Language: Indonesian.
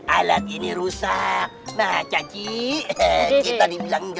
anak ini rusak caci evangelis